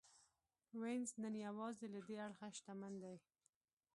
وینز نن یوازې له دې اړخه شتمن دی